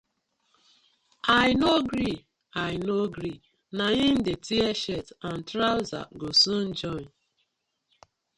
I no gree, I no gree, na im dey tear shirt and trouser go soon join.